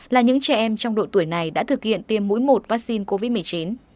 là những trẻ em trong độ tuổi này đã thực hiện tiêm mũi một vaccine covid một mươi chín